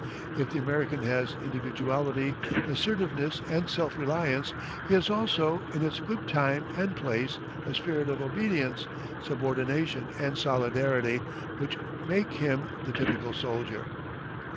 If the American has individuality, assertiveness, and self reliance, he has also, in its good time and place, a spirit of obedience, subordination, and solidarity which make him the typical soldier.